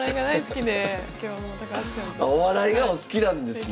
あお笑いがお好きなんですね。